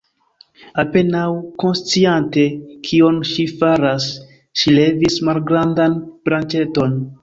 Apenaŭ konsciante kion ŝi faras, ŝi levis malgrandan branĉeton.